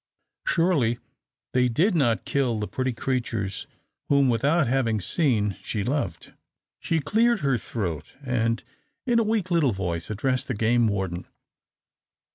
Surely they did not kill the pretty creatures whom without having seen she loved. She cleared her throat and in a weak little voice addressed the game warden.